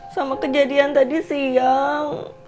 sama kejadian tadi siang